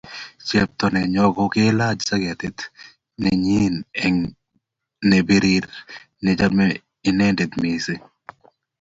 chepto nenyon ko kelach jacketit nenyinet ne birir ne chame inendet mising